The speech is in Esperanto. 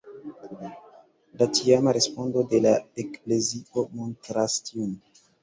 La tiama respondo de la eklezio montras tion.